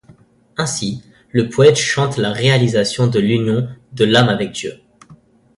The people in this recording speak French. Ainsi, le poète chante la réalisation de l’union de l’âme avec Dieu.